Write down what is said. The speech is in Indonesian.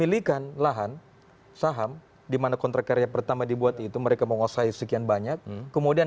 pemilikan lahan saham dimana kontrak karya pertama dibuat itu mereka menguasai sekian banyak kemudian